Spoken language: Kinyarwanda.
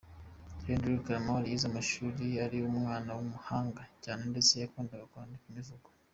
Kendrick Lamar yize amashuri ye ari umwana w’umuhanga cyane ndetse yakundaga kwandika imivugo.